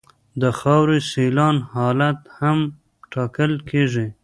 د خاورې سیلان حالت هم ټاکل کیږي